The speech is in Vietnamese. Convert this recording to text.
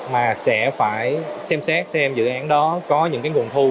mà sẽ phải xem xét xem dự án đó có những cái nguồn thu